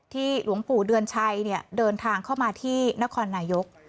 หลวงปู่เดือนชัยเดินทางเข้ามาที่นครนายก